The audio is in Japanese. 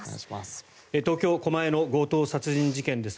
東京・狛江の強盗殺人事件です。